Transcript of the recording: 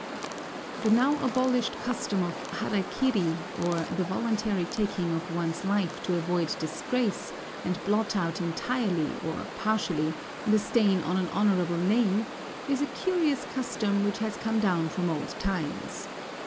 The now abolished custom of hara kiri, or the voluntary taking of one's life to avoid disgrace, and blot out entirely or partially the stain on an honorable name, is a curious custom which has come down from old times.